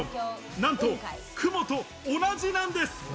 なんと雲と同じなんです。